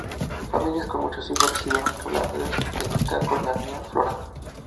Familias con muchos hijos recibieron solares en esta ≪colonia floral≫.